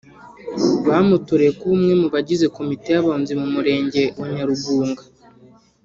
bamutoreye kuba umwe mu bagize komite y’Abunzi mu Murenge wa Nyarugunga